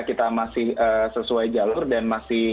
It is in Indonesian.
kita masih sesuai jalur dan masih